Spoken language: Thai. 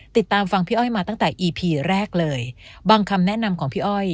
ติดตามฟังพี่อ้อยมาตั้งแต่อีพีแรกเลยบางคำแนะนำของพี่อ้อย